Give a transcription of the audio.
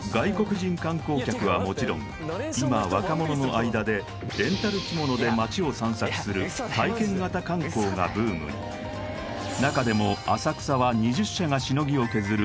すごいそう今若者の間でレンタル着物で街を散策する体験型観光がブームに中でも浅草は２０社がしのぎを削る